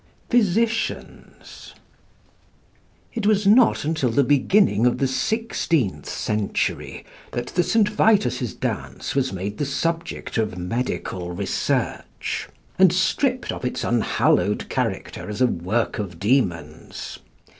5 PHYSICIANS It was not until the beginning of the sixteenth century that the St. Vitus's dance was made the subject of medical research, and stripped of its unhallowed character as a work of demons.